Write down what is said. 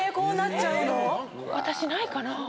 マジ⁉私ないかな？